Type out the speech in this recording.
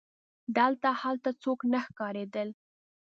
دلته هلته څوک نه ښکارېدل.